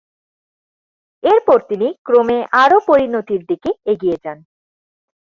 এরপর তিনি ক্রমে আরও পরিণতির দিকে এগিয়ে যান।